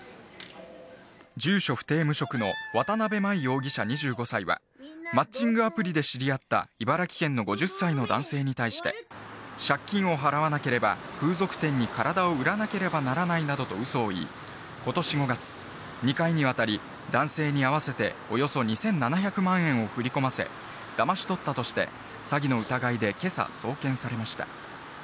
住所不定無職の渡辺真衣容疑者２５歳は、マッチングアプリで知り合った茨城県の５０歳の男性に対して、借金を払わなければ風俗店に体を売らなければならないなどとうそを言い、ことし５月、２回にわたり、男性に合わせておよそ２７００万円を振り込ませ、だまし取ったとして、詐欺の疑いでけさ、送検されました。